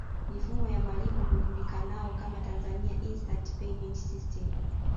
Mifumo ya malipo hujulikanao kama Tanzania Instant Payment System